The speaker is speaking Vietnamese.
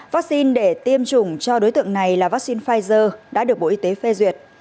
vaccine để tiêm chủng cho đối tượng này là vaccine pfizer đã được bộ y tế phê duyệt